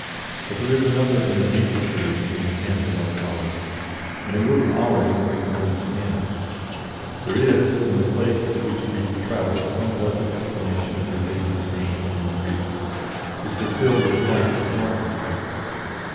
But there is another and a deeper solution in the hands of our Father; and it will be ours when we can understand it. There is in the place to which we travelsome blessed explanation of your baby's pain and your grief, which will fill with light the darkest heart.